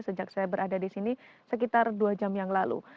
sejak saya berada di sini sekitar dua jam yang lalu